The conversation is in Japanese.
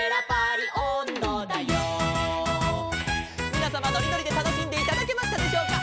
「みなさまのりのりでたのしんでいただけましたでしょうか」